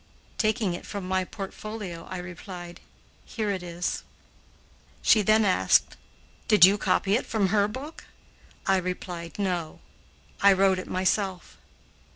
Taking it from my portfolio, I replied, "Here it is." She then asked, "Did you copy it from her book?" I replied, "No; I wrote it myself."